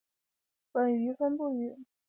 本鱼分布于印度洋及太平洋海域。